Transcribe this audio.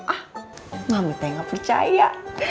ah mami teh gak percaya